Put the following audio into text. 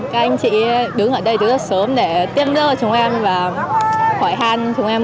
các anh chị đứng ở đây rất sớm để tiêm đưa chúng em và hỏi hàn chúng em